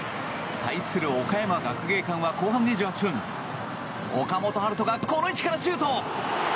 対する岡山学芸館は後半２８分岡本温叶がこの位置からシュート！